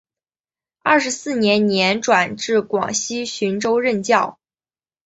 二十四年年转至广西浔州任教。